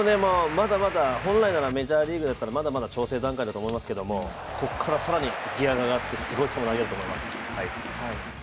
本来ならメジャーリーグですから調整段階だと思いますけどここから更にギヤが上がって、すごい球、投げると思います。